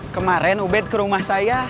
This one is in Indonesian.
kemarin ubed ke rumah saya